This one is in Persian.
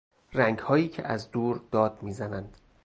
رنگهایی که از دور داد میزنند